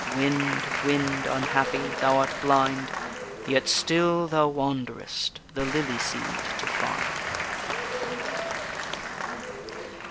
Wind, wind, unhappy! thou art blind, Yet still thou wanderest the lily seed to find.